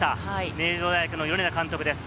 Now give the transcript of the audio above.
名城大学の米田監督です。